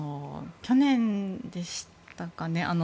去年でしたかね。